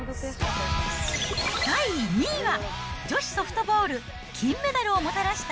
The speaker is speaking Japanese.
第２位は、女子ソフトボール、金メダルをもたらした！